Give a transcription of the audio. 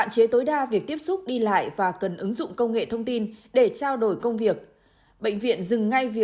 hai ca từ các tỉnh miền nam về